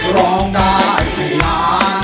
ร้องได้ให้ล้าน